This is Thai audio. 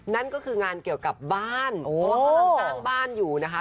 นั่นก็คืองานเกี่ยวกับบ้านเพราะว่ากำลังสร้างบ้านอยู่นะคะ